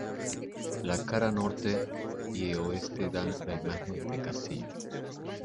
La cara norte y oeste dan la imagen de castillo.